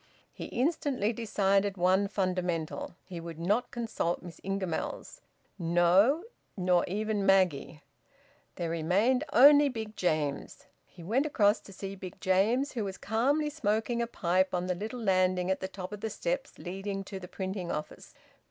He instantly decided one fundamental: he would not consult Miss Ingamells; no, nor even Maggie! There remained only Big James. He went across to see Big James, who was calmly smoking a pipe on the little landing at the top of the steps leading to the printing office.